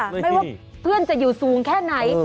ไม่ว่าเพื่อนจะอยู่สูงแค่ไหน